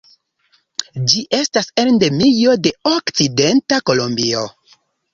Ĝi estas endemio de okcidenta Kolombio.